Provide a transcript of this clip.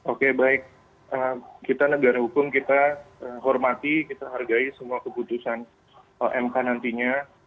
oke baik kita negara hukum kita hormati kita hargai semua keputusan mk nantinya